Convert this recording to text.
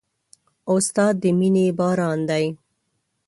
استاد د مینې باران دی.